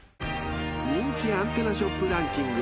［人気アンテナショップランキング